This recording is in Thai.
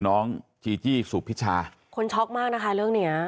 น้องจีจี้สุพิชาคนช็อกมากนะคะเรื่องเนี้ย